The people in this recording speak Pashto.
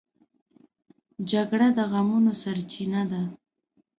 جګړه د غمونو سرچینه ده